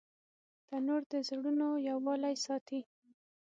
تنور د زړونو یووالی ساتي